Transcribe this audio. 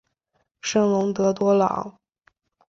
圣龙德多朗。